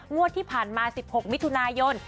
งวดที่ผ่านมา๑๖มิถุนายน